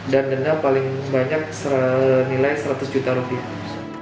dan denda paling banyak nilai seratus juta rupiah